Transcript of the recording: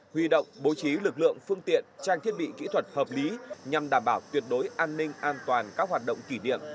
huy động bố trí lực lượng phương tiện trang thiết bị kỹ thuật hợp lý nhằm đảm bảo tuyệt đối an ninh an toàn các hoạt động kỷ niệm